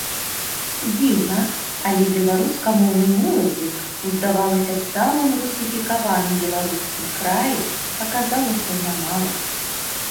Дзіўна, але беларускамоўнай моладзі ў, здавалася б, самым русіфікаваным беларускім краі аказалася нямала.